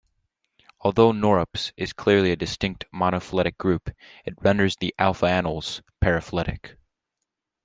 Although "Norops" is clearly a distinct, monophyletic group, it renders the "alpha anoles" paraphyletic.